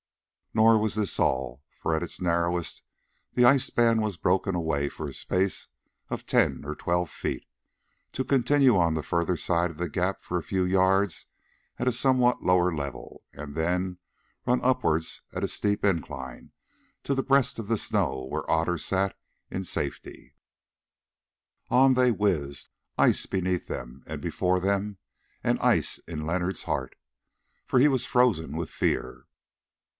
Nor was this all, for at its narrowest the ice band was broken away for a space of ten or twelve feet, to continue on the further side of the gap for a few yards at a somewhat lower level, and then run upwards at a steep incline to the breast of snow where Otter sat in safety. On they whizzed, ice beneath them and before them, and ice in Leonard's heart, for he was frozen with fear.